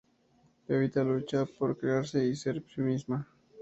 Evita lucha por crearse y ser sí misma.